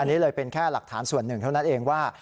อันนี้เลยเป็นแค่หลักฐานส่วนหนึ่งเท่านั้นเองว่า